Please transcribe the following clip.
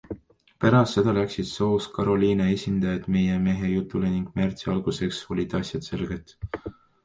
Pärast seda läksid South Carolina esindajad meie mehe jutule ning märtsi alguseks olid asjad selged.